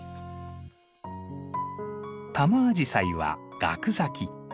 タマアジサイはガク咲き。